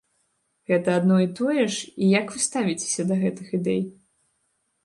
Гэта адно і тое ж і як вы ставіцеся да гэтых ідэй?